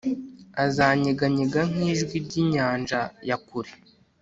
Azanyeganyega nkijwi ryinyanja ya kure